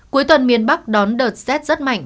cuối tuần miền bắc đón đợt z rất mạnh